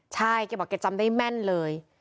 ใช่แกบอกแกจำได้แม่นเลย